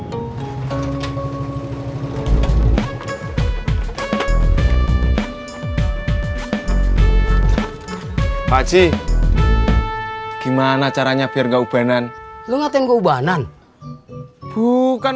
haji gimana caranya biar gak ubanan lu ngatain keubanan bukan